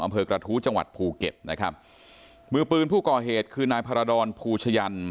อำเภอกระทู้จังหวัดภูเก็ตนะครับมือปืนผู้ก่อเหตุคือนายพารดรภูชยัน